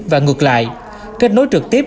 và ngược lại kết nối trực tiếp